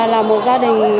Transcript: là một gia đình